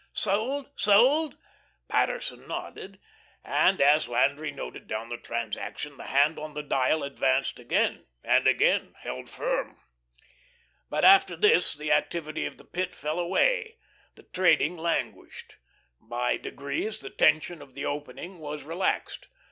"Sold, sold." Paterson nodded, and as Landry noted down the transaction the hand on the dial advanced again, and again held firm. But after this the activity of the Pit fell away. The trading languished. By degrees the tension of the opening was relaxed.